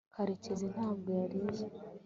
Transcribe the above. karekezi ntabwo yarize